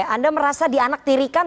anda merasa dianaktirikan